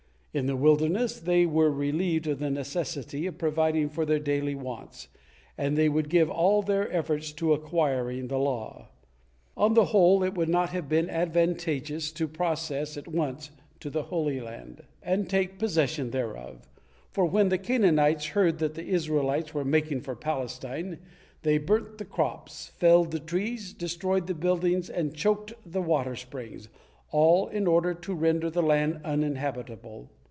In the wilderness they were relieved of the necessity of providing for their daily wants, and they would give all their efforts to acquiring the law. On the whole, it would not have been advantageous to process at once to the Holy Land and take possession thereof, for when the Canaanites heard that the Israelites were making for Palestine, they burnt the crops, felled the trees, destroyed the buildings, and choked the water springs, all in order to render the land uninhabitable.